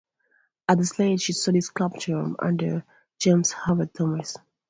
At the Slade she studied sculpture under James Havard Thomas.